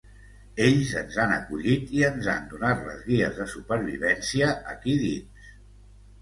Ells ens han acollit i ens han donat les guies de supervivència aquí dins.